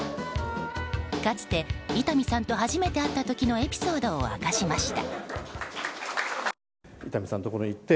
かつて、伊丹さんと初めて会った時のエピソードを明かしました。